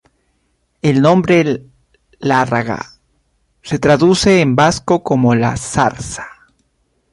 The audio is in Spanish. El nombre "Larraga" se traduce en vasco como "la zarza".